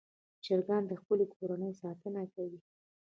چرګان د خپلې کورنۍ ساتنه کوي.